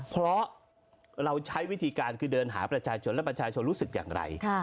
เพราะเราใช้วิธีการคือเดินหาประชาชนและประชาชนรู้สึกอย่างไร